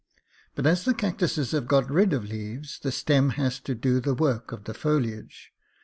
But as the cactuses have got rid of leaves, the stem has to do the work of the foliage.